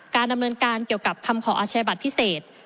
ดำเนินการเกี่ยวกับคำขออาชญาบัตรพิเศษ